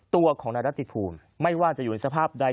ตัวของนายรัติภูมิไม่ว่าจะอยู่ในสภาพใด